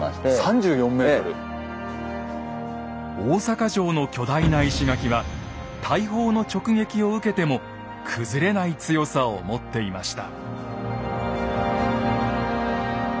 大坂城の巨大な石垣は大砲の直撃を受けても崩れない強さを持っていました。